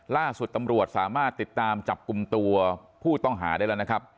ล่าสุดตำรวจสามารถติดตามจับกลุ่มตัวผู้ต้องหาได้แล้วนะครับ